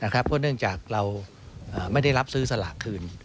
เพราะเนื่องจากเราไม่ได้รับซื้อสลากคืน